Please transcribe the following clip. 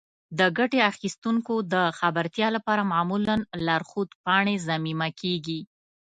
د ګټې اخیستونکو د خبرتیا لپاره معمولا لارښود پاڼې ضمیمه کیږي.